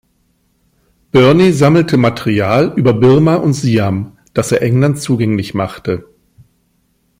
Burney sammelte Material über Birma und Siam, das er England zugänglich machte.